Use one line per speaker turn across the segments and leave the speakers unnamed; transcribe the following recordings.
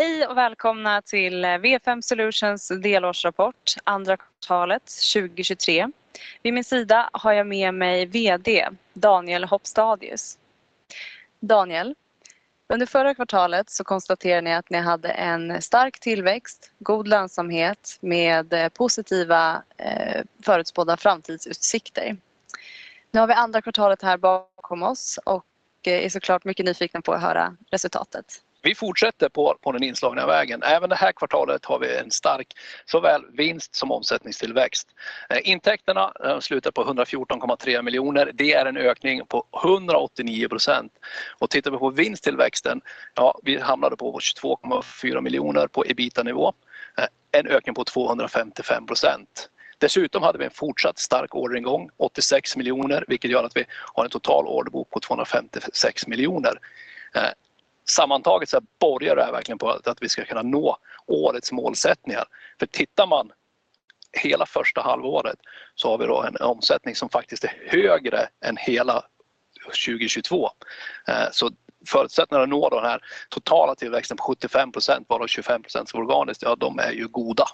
Hej och välkomna till W5 Solutions delårsrapport, 2nd quarter 2023. Vid min sida har jag med mig CEO, Daniel Hopstadius. Daniel, under last quarter så konstaterade ni att ni hade en stark tillväxt, god lönsamhet med positiva, förutspådda framtidsutsikter. Nu har vi 2nd quarter här bakom oss och är så klart mycket nyfikna på att höra resultatet.
Vi fortsätter på, på den inslagna vägen. Även det här kvartalet har vi en stark, såväl vinst som omsättningstillväxt. Intäkterna slutar på SEK 114.3 million. Det är en ökning på 189%. Tittar vi på vinsttillväxten, ja, vi hamnade på SEK 22.4 million på EBITA-nivå, en ökning på 255%. Dessutom hade vi en fortsatt stark orderingång, SEK 86 million, vilket gör att vi har en total orderbok på SEK 256 million. Sammantaget borgar det verkligen på att vi ska kunna nå årets målsättningar. Tittar man hela första halvåret har vi då en omsättning som faktiskt är högre än hela 2022. Förutsättningen att nå den här totala tillväxten på 75%, varav 25% är organiskt, ja, de är ju goda.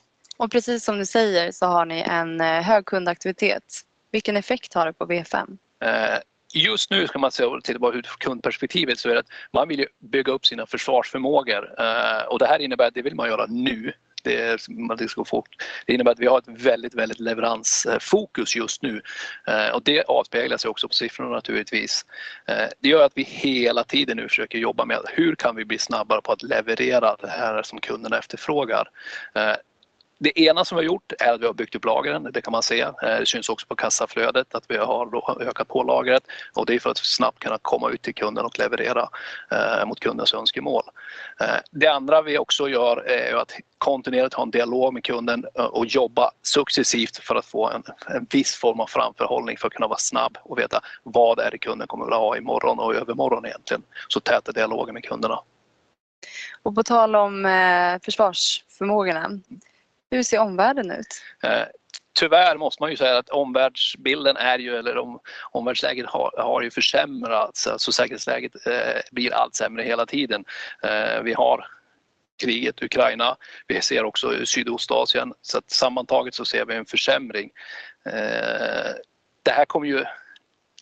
Precis som du säger så har ni en hög kundaktivitet. Vilken effekt har det på W5?
Just nu ska man säga, och titta på ur kundperspektivet, så är det att man vill ju bygga upp sina försvarsförmågor. Det här innebär att det vill man göra nu. Det, det ska gå fort. Det innebär att vi har ett väldigt, väldigt leveransfokus just nu, och det avspeglar sig också på siffrorna naturligtvis. Det gör att vi hela tiden nu försöker jobba med: hur kan vi bli snabbare på att leverera det här som kunderna efterfrågar. Det ena som vi har gjort är att vi har byggt upp lagren, det kan man se. Det syns också på kassaflödet att vi har då ökat på lagret och det är för att snabbt kunna komma ut till kunden och leverera mot kundens önskemål. Det andra vi också gör är att kontinuerligt ha en dialog med kunden och jobba successivt för att få en, en viss form av framförhållning för att kunna vara snabb och veta vad är det kunden kommer att ha imorgon och i övermorgon egentligen. täta dialogen med kunderna.
På tal om, försvarsförmågorna, hur ser omvärlden ut?
Tyvärr måste man ju säga att omvärldsbilden är ju, eller omvärldsläget har, har ju försämrats, så säkerhetsläget blir allt sämre hela tiden. Vi har kriget i Ukraina. Vi ser också Sydostasien. Sammantaget så ser vi en försämring. Det här kommer ju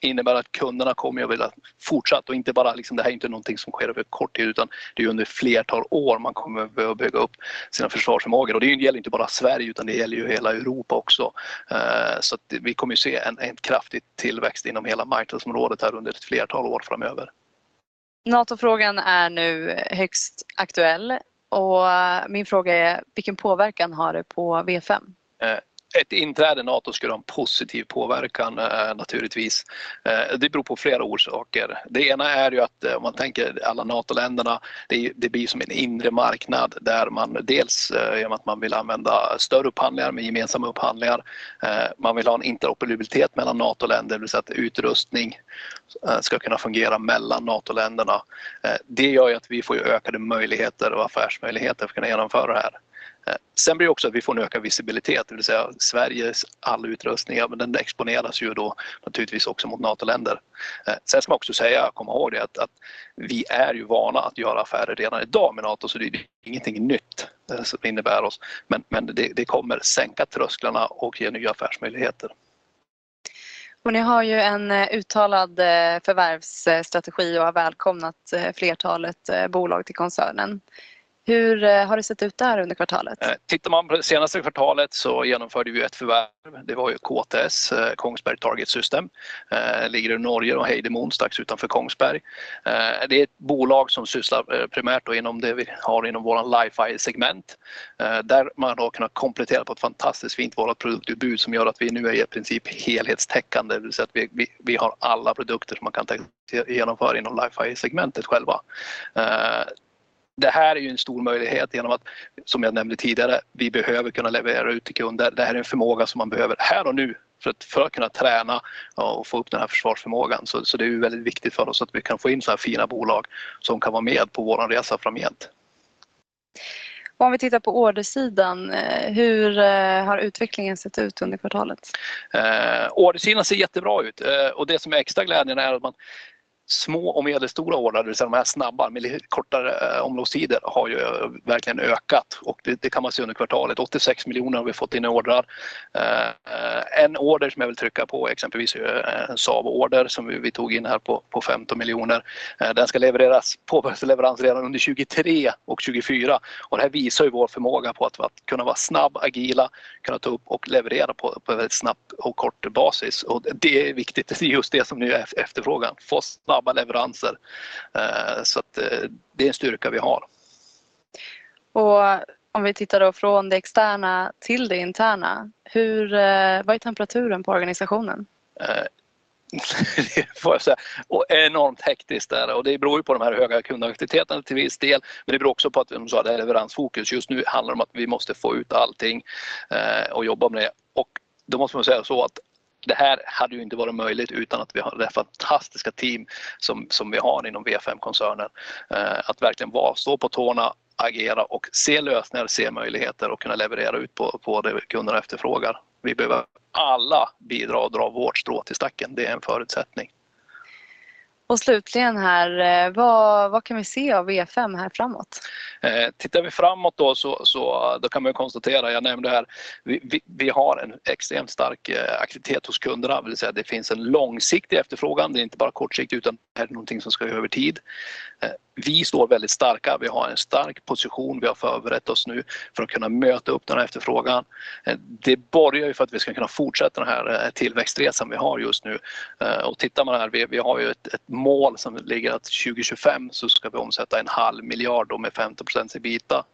innebära att kunderna kommer att vilja fortsatt, och inte bara, det här är inte någonting som sker över kort tid, utan det är under flertal år man kommer behöva bygga upp sina försvarsförmågor. Det gäller inte bara Sverige, utan det gäller ju hela Europa också. Vi kommer att se en kraftig tillväxt inom hela marknadsområdet här under ett flertal år framöver.
NATO-frågan är nu högst aktuell och min fråga är: vilken påverkan har det på W5?
Ett inträde i NATO skulle ha en positiv påverkan, naturligtvis. Det beror på flera orsaker. Det ena är ju att om man tänker alla NATO-länderna, det, det blir som en inre marknad där man dels igenom att man vill använda större upphandlingar med gemensamma upphandlingar, man vill ha en interoperabilitet mellan NATO-länder, det vill säga att utrustning, ska kunna fungera mellan NATO-länderna. Det gör ju att vi får ökade möjligheter och affärsmöjligheter för att kunna genomföra det här. Det blir också att vi får en ökad visibilitet, det vill säga Sveriges all utrustning, ja, men den exponeras ju då naturligtvis också mot NATO-länder. Det ska man också säga, komma ihåg det, att, att vi är ju vana att göra affärer redan i dag med NATO, så det är ingenting nytt. Det innebär oss, men, men det, det kommer sänka trösklarna och ge nya affärsmöjligheter.
Ni har ju en uttalad förvärvsstrategi och har välkomnat flertalet bolag till koncernen. Hur har det sett ut där under kvartalet?
Tittar man på det senaste kvartalet så genomförde vi ju ett förvärv. Det var ju KTS, Kongsberg Target Systems. Ligger i Norge, Heistadmoen, strax utanför Kongsberg. Det är ett bolag som sysslar primärt inom det vi har inom vår Livefy-segment, där man har kunnat komplettera på ett fantastiskt fint vårt produktutbud, som gör att vi nu är i princip helhetstäckande. Det vill säga att vi, vi har alla produkter som man kan genomföra inom Livefy-segmentet själva. Det här är ju en stor möjlighet igenom att, som jag nämnde tidigare, vi behöver kunna leverera ut till kunder. Det här är en förmåga som man behöver här och nu för att, för att kunna träna och få upp den här försvarsförmågan. Så det är väldigt viktigt för oss att vi kan få in sådana här fina bolag som kan vara med på vår resa framgent.
Om vi tittar på ordersidan, hur har utvecklingen sett ut under kvartalet?
Ordersidan ser jättebra ut och det som är extra glädjande är att man små och medelstora ordrar, det vill säga de här snabba, med kortare omloppstider, har ju verkligen ökat. Det, det kan man se under kvartalet. SEK 86 miljoner har vi fått in i ordrar. En order som jag vill trycka på är exempelvis en SAV-order som vi tog in här på, på SEK 15 miljoner. Den ska levereras, påbörjas leverans redan under 2023 och 2024. Det här visar ju vår förmåga på att kunna vara snabb, agila, kunna ta upp och leverera på, på väldigt snabbt och kort basis. Det är viktigt. Det är just det som är efterfrågan, få snabba leveranser. Så att det är en styrka vi har.
Om vi tittar då från det externa till det interna, vad är temperaturen på organisationen?
Det får jag säga, enormt hektiskt där. Det beror ju på den här höga kundaktiviteten till viss del, men det beror också på att som jag sa, det är leveransfokus. Just nu handlar det om att vi måste få ut allting och jobba med det. Då måste man säga så att det här hade ju inte varit möjligt utan att vi har det fantastiska team som, som vi har inom W5-koncernen. Att verkligen vara, stå på tårna, agera och se lösningar, se möjligheter och kunna leverera ut på, på det kunderna efterfrågar. Vi behöver alla bidra och dra vårt strå till stacken. Det är en förutsättning.
Slutligen här, vad, vad kan vi se av W5 här framåt?
Tittar vi framåt då, kan man ju konstatera, jag nämnde det här, vi har en extremt stark aktivitet hos kunderna. Det vill säga, det finns en långsiktig efterfrågan. Det är inte bara kortsiktigt, utan det är någonting som ska över tid. Vi står väldigt starka, vi har en stark position, vi har förberett oss nu för att kunna möta upp den här efterfrågan. Det borgar ju för att vi ska kunna fortsätta den här tillväxtresan vi har just nu. Tittar man här, vi har ju ett mål som ligger att 2025 så ska vi omsätta SEK 500 million med 15% EBITA.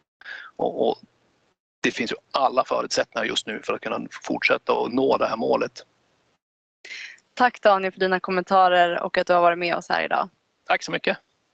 Det finns ju alla förutsättningar just nu för att kunna fortsätta och nå det här målet.
Tack Daniel, för dina kommentarer och att du har varit med oss här i dag.
Tack så mycket!